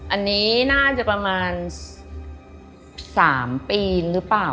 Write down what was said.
อันนี้น่าจะประมาณ๓ปีหรือเปล่า